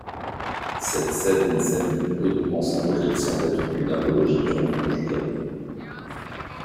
Cette scène scène hautement symbolique semble être une apologie de l'amour conjugal.